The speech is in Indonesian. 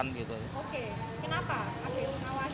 kenapa ada yang mengawasi atau